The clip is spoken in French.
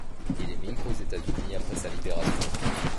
Il émigre aux États-Unis après sa libération.